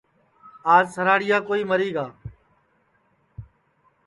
آج سراڑیاڑا ماگھیا مری گا